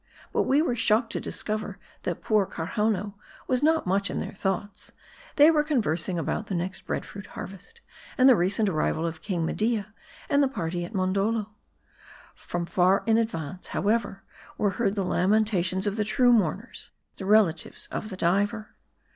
But we were shocked to discover, that poor Karhownoo was not much in their thoughts ; they were conversing about the next bread fruit harvest, and the recent, arrival of King Media and party at Mondoldo. From far in advance, how ever, were heard the lamentations of the true mourners, the relatives of the diver.